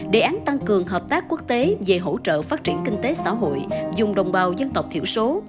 đề án tăng cường hợp tác quốc tế về hỗ trợ phát triển kinh tế xã hội dùng đồng bào dân tộc thiểu số